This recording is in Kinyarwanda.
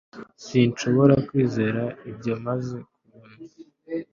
Sinshobora kwizera ibyo maze kubona